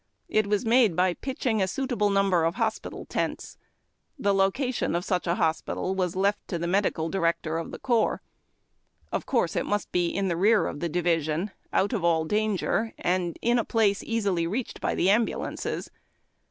It was made by pitching a suitable numljer of hospital tents. The location of such a hospital was left to the medical direc tor of the corps. Of course, it must be in the rear of the division, out of all danger and in a place easily reached by the ambulances.